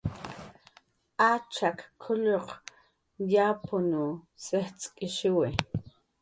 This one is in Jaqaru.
"Achakshut k""ullun mallkp"" yaqp"" sijcx'k""ishiwi."